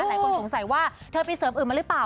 หลายคนสงสัยว่าเธอไปเสริมอื่นมาหรือเปล่า